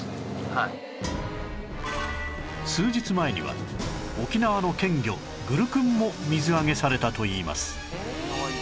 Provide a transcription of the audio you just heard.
数日前には沖縄の県魚グルクンも水揚げされたといいます